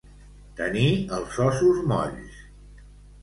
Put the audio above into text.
Tenir els ossos molls.